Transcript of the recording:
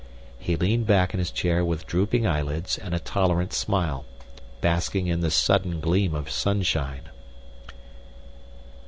He leaned back in his chair with drooping eyelids and a tolerant smile, basking in this sudden gleam of sunshine.